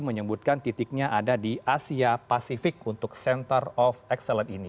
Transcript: menyebutkan titiknya ada di asia pasifik untuk center of excellence ini